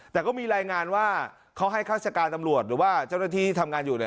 แต่ก็มีรายงานว่าเขาให้ฆาติการตำรวจหรือว่าเจ้าหน้าที่ทำงานอยู่เนี่ย